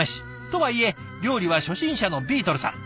とはいえ料理は初心者のビートルさん。